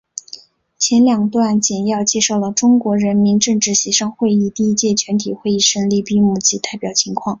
前两段简要介绍了中国人民政治协商会议第一届全体会议胜利闭幕及代表情况。